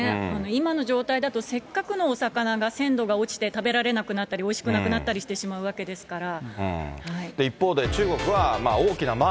今の状態だとせっかくのお魚が鮮度が落ちて食べられなくなったり、おいしくなくなったりしてしまうわけですから。